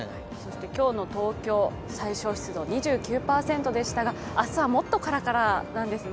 今日の東京、最小湿度２９％でしたが明日はもっとカラカラなんですね。